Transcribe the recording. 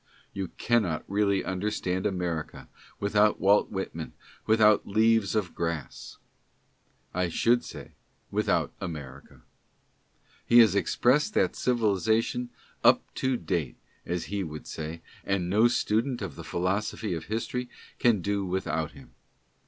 You cannot really understand America without Walt Whitman, without " Leaves of Grass" : I should say, without America. He has expressed that civilization " up to date," as he would say, and no student of the philosophy of history can do without him.